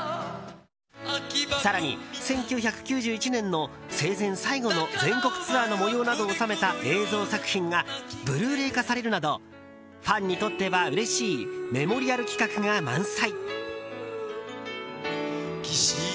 更に、１９９１年の生前最後の全国ツアーの模様などを収めた映像作品がブルーレイ化されるなどファンにとってはうれしいメモリアル企画が満載。